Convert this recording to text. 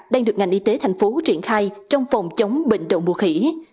đang được ngành y tế tp hcm triển khai trong phòng chống bệnh đậu mũ khỉ